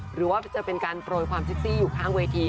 หรือว่าจะเป็นการโปรยความเซ็กซี่อยู่ข้างเวที